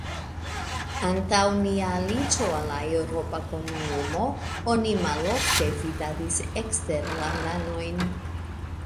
Antaŭ nia aliĝo al la eŭropa komunumo, oni malofte vidadis eksterlandanojn.